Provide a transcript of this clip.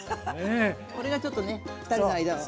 これがちょっとねふたりの間を。